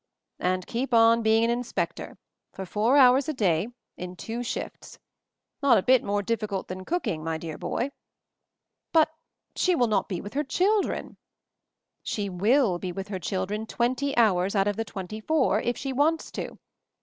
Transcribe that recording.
"And keep on being an inspector — for four hours a day — in two shifts. Not a bit more difficult than cooking, my dear boy." "But — she will not be with her children —" "She will be with her children twenty hours out of the twenty f our — if she wants to.